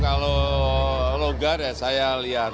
kalau longgar ya saya lihat